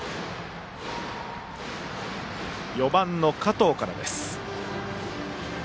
４番の加藤からです。